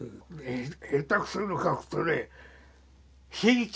下手くその描くとね伸一！